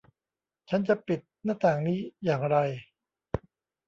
ฉันจะปิดหน้าต่างนี้อย่างไร